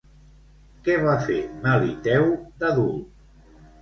Què va fer Meliteu d'adult?